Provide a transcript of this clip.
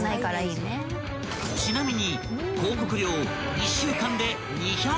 ［ちなみに］